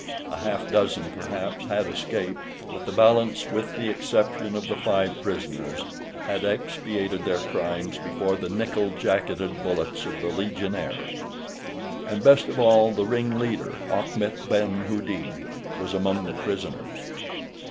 A half dozen, perhaps, had escaped; but the balance, with the exception of the five prisoners, had expiated their crimes before the nickel jacketed bullets of the legionaries. And, best of all, the ring leader, Achmet ben Houdin, was among the prisoners.